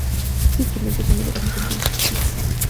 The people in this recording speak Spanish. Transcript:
Este instrumento es uno de los más antiguos que existen.